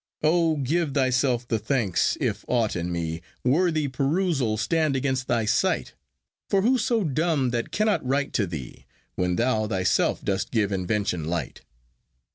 O, give thyself the thanks, if aught in me Worthy perusal stand against thy sight; For who's so dumb that cannot write to thee, When thou thyself dost give invention light?